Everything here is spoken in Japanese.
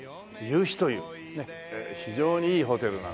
非常にいいホテルなのでね